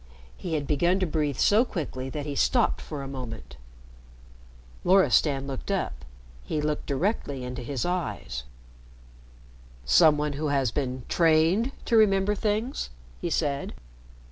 He had begun to breathe so quickly that he stopped for a moment. Loristan looked up. He looked directly into his eyes. "Some one who has been trained to remember things?" he said.